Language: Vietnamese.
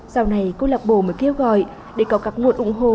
sau này câu lập bộ mới kêu gọi để có các nguồn ủng hộ